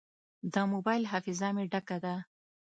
د موبایل حافظه مې ډکه ده.